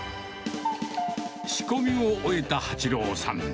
仕込みを終えた八朗さん。